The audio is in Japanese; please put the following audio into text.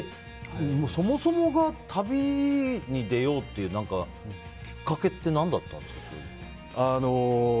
そもそもが旅に出ようっていうきっかけって何だったんですか？